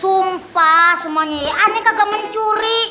sumpah semuanya aneh kagak mencuri